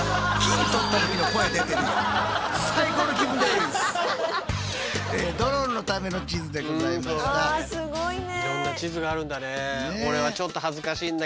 いろんな地図があるんだね。